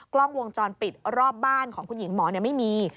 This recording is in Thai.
กล้องวงจรปิดรอบบ้านของคุณหญิงหมอไม่มี